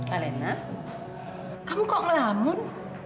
alena kamu kok ngelamun